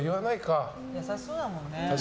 優しそうだもんね。